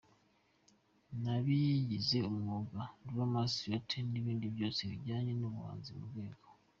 b'abigize umwuga, dramas, theatres n'ibindi byose bijyanye nubuhanzi mu rwego.